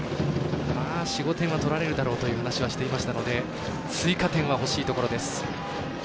４５点は取られるだろうという話はしていましたので追加点は欲しいところです。